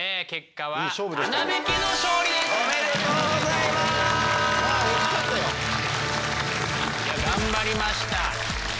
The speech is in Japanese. いや頑張りました。